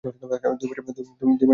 দুই মাসের বাকি টাকা কই?